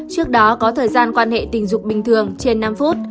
trước đó có thời gian quan hệ tình dục bình thường trên năm phút